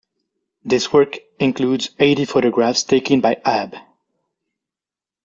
This work includes eighty photographs taken by Abbe.